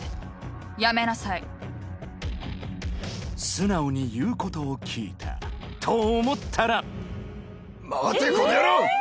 素直に言うことを聞いたと思ったら！